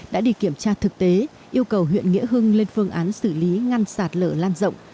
đã đi kiểm tra thực tế yêu cầu huyện nghĩa hưng lên phương án xử lý ngăn sạt lở lan rộng